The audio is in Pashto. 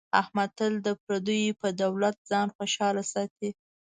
احمد تل د پردیو په دولت ځان خوشحاله ساتي.